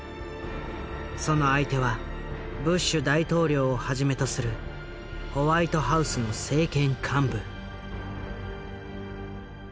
その相手はブッシュ大統領をはじめとするホワイトハウスの政権幹部。